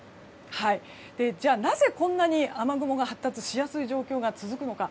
なぜ、こんなに雨雲が発達しやすい状況が続くのか。